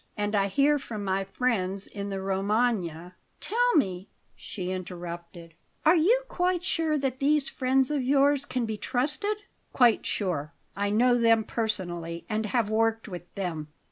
And I hear from my friends in the Romagna " "Tell me," she interrupted, "are you quite sure that these friends of yours can be trusted?" "Quite sure. I know them personally, and have worked with them."